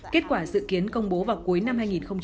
kết quả dự kiến công bố vào cuối năm hai nghìn một mươi tám